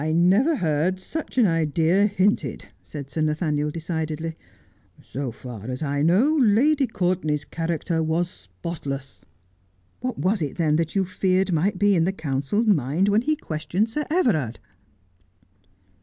1 never heard such an idea hinted,' said Sir Nathaniel de cidedly. 'So far as I know, Lady Courtenay's character was spotless.' ' What was it then that you feared might be in the counsel's mind when he questioned Sir Everard?'